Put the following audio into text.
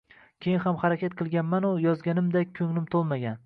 Keyin ham harakat qilganman-u, yozganimdak ko‘nglim to‘lmagan.